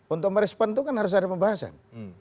untuk merespon itu kan harus ada pembahasan